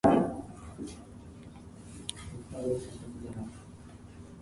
Each player has four pieces.